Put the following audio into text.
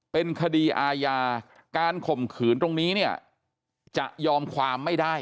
เป็นคดีอาญาการข่มขืนตรงนี้เนี่ยจะยอมความไม่ได้